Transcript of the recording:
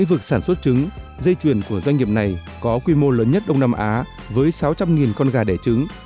vực sản xuất trứng dây chuyền của doanh nghiệp này có quy mô lớn nhất đông nam á với sáu trăm linh con gà đẻ trứng